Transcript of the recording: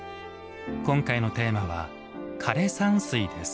今回のテーマは「枯山水」です。